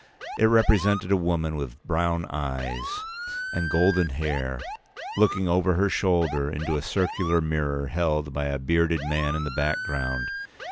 It represented a woman with brown eyes and golden hair, looking over her shoulder into a circular mirror held by a bearded man in the background.